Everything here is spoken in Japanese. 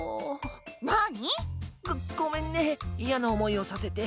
なに？ごごめんねいやなおもいをさせて。